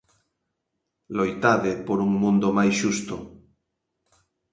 Loitade por un mundo máis xusto.